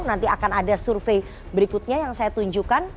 nanti akan ada survei berikutnya yang saya tunjukkan